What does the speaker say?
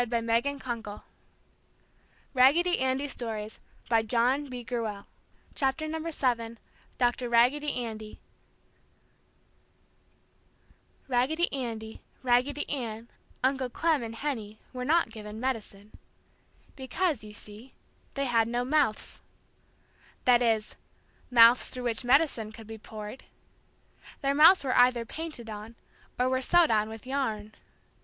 [Illustration: Raggedy Andy sitting] [Illustration: Medicine] [Illustration: Four dolls] DOCTOR RAGGEDY ANDY Raggedy Andy, Raggedy Ann, Uncle Clem and Henny were not given medicine. Because, you see, they had no mouths. That is, mouths through which medicine could be poured. Their mouths were either painted on, or were sewed on with yarn.